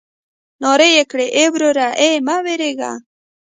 نارې يې کړې ای وروره ای مه وېرېږه.